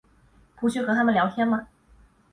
不去和他们聊天吗？